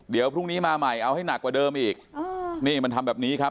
เดี๋ยวพรุ่งนี้มาใหม่เอาให้หนักกว่าเดิมอีกนี่มันทำแบบนี้ครับ